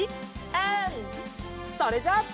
うん！それじゃあ。